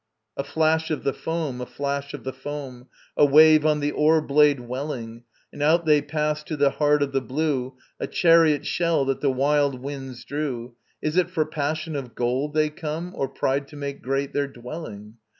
] A flash of the foam, a flash of the foam, A wave on the oarblade welling, And out they passed to the heart of the blue: A chariot shell that the wild winds drew. Is it for passion of gold they come, Or pride to make great their dwelling?